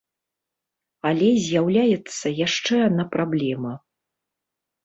Але з'яўляецца яшчэ адна праблема.